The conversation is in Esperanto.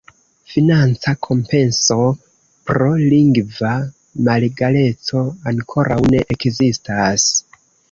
Financa kompenso pro lingva malegaleco ankoraŭ ne ekzistas.